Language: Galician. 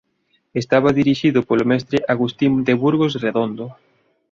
Estaba dirixido polo mestre Agustín de Burgos Redondo.